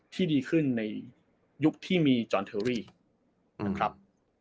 ที่ดีขึ้นในยุคที่มีจรแทวรี่อืนครับ